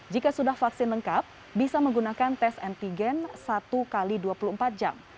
jika sudah vaksin lengkap bisa menggunakan tes antigen satu x dua puluh empat jam